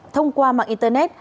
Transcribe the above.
thông qua mạng internet